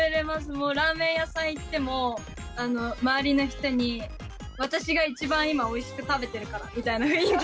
もうラーメン屋さん行っても周りの人に私が一番今おいしく食べてるからみたいな雰囲気で。